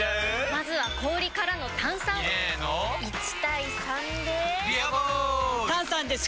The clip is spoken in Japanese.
まずは氷からの炭酸！入れの１：３で「ビアボール」！